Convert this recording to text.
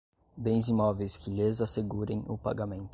bens imóveis que lhes assegurem o pagamento